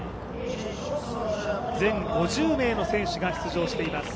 全５０名の選手が出場しています。